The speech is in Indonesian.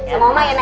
sama mama ya nak